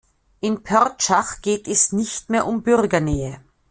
In Pörtschach geht es nicht mehr um Bürgernähe.